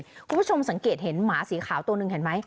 คุณผู้ชมสังเกตเห็นหมาสีขาวตัวหนึ่งเห็นไหม